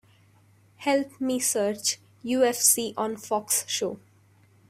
Help me search UFC on Fox show.